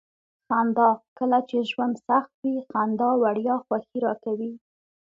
خندا: کله چې ژوند سخت وي. خندا وړیا خوښي راکوي.